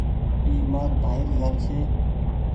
اي مآر ڀآئي گھرڇي۔